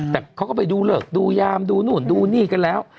แต่เขาก็ไปดูเลิกดูยามดูนู่นดูนี่กันแล้ว